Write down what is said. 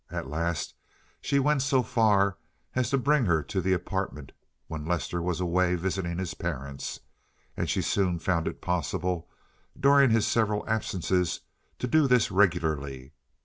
At last she went so far as to bring her to the apartment, when Lester was away visiting his parents, and she soon found it possible, during his several absences, to do this regularly.